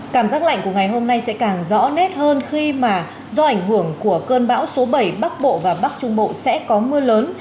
cảm giác lạnh của ngày hôm nay sẽ càng rõ nét hơn khi mà do ảnh hưởng của cơn bão số bảy bắc bộ và bắc trung bộ sẽ có mưa lớn